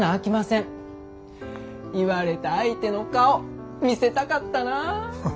言われた相手の顔見せたかったなぁ。